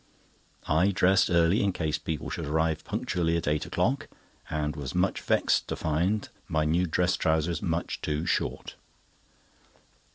I dressed early in case people should arrive punctually at eight o'clock, and was much vexed to find my new dress trousers much too short.